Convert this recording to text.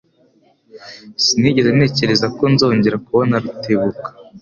Sinigeze ntekereza ko nzongera kubona Rutebuka.